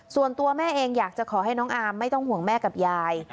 ส่วนตัวแม่เองอยากจะขอให้น้องอาร์มไม่ต้องห่วงแม่กับยาย